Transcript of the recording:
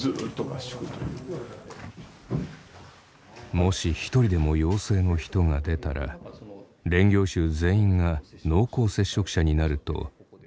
もし一人でも陽性の人が出たら練行衆全員が濃厚接触者になると笠原さんは説明した。